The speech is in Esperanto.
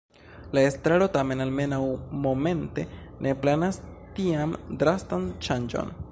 La estraro tamen almenaŭ momente ne planas tian drastan ŝanĝon.